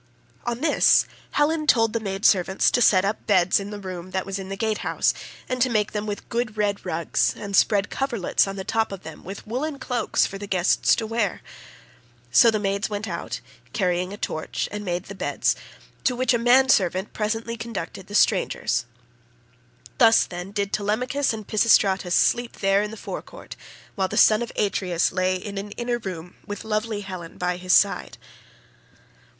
On this Helen told the maid servants to set beds in the room that was in the gatehouse, and to make them with good red rugs, and spread coverlets on the top of them with woollen cloaks for the guests to wear. So the maids went out, carrying a torch, and made the beds, to which a man servant presently conducted the strangers. Thus, then, did Telemachus and Pisistratus sleep there in the forecourt, while the son of Atreus lay in an inner room with lovely Helen by his side.